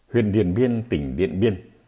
huyền điện biên tỉnh điện biên